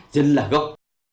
dân là gốc